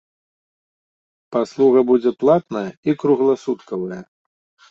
Паслуга будзе платная і кругласуткавая.